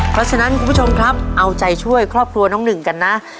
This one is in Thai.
เพราะฉะนั้นคุณผู้ชมครับเอาใจช่วยครอบครัวน้องหนึ่งกันนะ